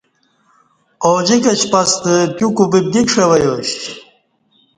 اوجیکہ شپستہ تیو کوببدی کݜہ وہ یاش